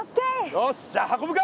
よしじゃあ運ぶか！